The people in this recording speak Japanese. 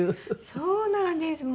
そうなんです。